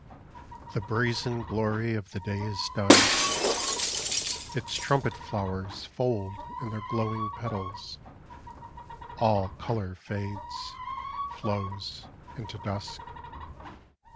NOCTURNE. HPHE brazen glory of the day is done ;■*• Its trumpet flowers Fold in their glowing petals : All colour fades, Flows into dusk.